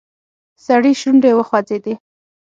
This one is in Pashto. سړي شونډې وخوځېدې.